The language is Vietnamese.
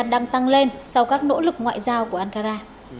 đang tăng lên sau các nỗ lực ngoại giao của ankara